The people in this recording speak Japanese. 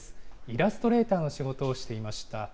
イラストレーターの仕事をしていました。